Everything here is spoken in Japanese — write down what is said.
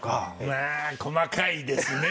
まあ細かいですね